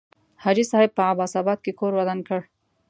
حاجي صاحب په عباس آباد کې کور ودان کړ.